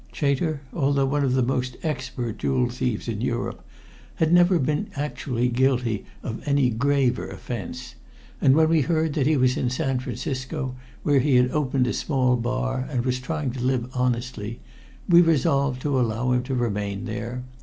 Chater, although one of the most expert jewel thieves in Europe, had never been actually guilty of any graver offense, and when we heard that he was in San Francisco, where he had opened a small bar and was trying to live honestly, we resolved to allow him to remain there.